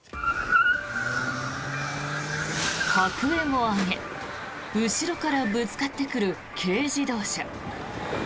白煙を上げ、後ろからぶつかってくる軽自動車。